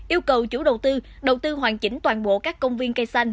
yêu cầu chủ đầu tư đầu tư hoàn chỉnh toàn bộ các công viên cây xanh